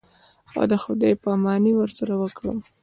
او د خداى پاماني ورسره وکړم.